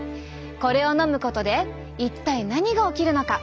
これをのむことで一体何が起きるのか。